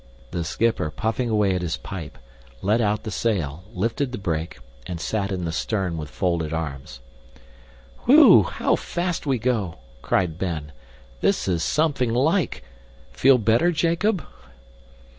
The schipper, puffing away at his pipe, let out the sail, lifted the brake, and sat in the stern with folded arms. "Whew! How fast we go!" cried Ben. "This is something like! Feel better, Jacob?"